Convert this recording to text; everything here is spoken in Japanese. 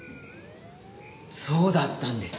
そうだったんですか？